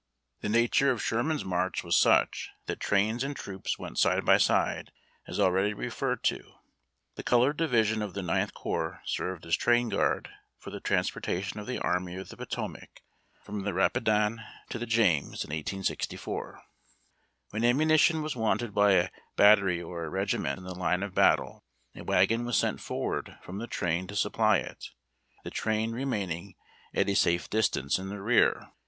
The natui e of Sherman's march was such that trains and troops went side by side, as already referred to. The colored division of the Ninth Corps served as train guard for the transportation of the Arn)y of the Potomac from the Rapidan to the James in 1864. When ammunition was wanted by a battery or a regi ment in the line of battle, a wagon was sent forward from the train to supply it, the train remaining at a safe dis tance in the rear.